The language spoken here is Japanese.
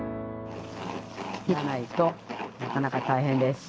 切らないとなかなか大変です。